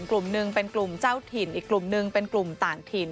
กลุ่มหนึ่งเป็นกลุ่มเจ้าถิ่นอีกกลุ่มนึงเป็นกลุ่มต่างถิ่น